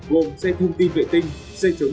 gồm xe thông tin vệ tinh xe chống đại xe phòng chống